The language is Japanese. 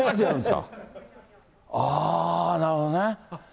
ああ、なるほどね。